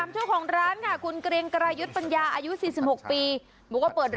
จังหวัดพิษนุโลโอเค